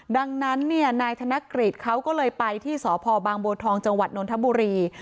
ดังนั้นเนี่ยนายธนกฤษเขาก็เลยไปที่สพบางบัวทองจังหวัดนทบุรี